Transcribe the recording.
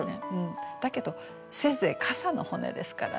だけどせいぜい傘の骨ですからね。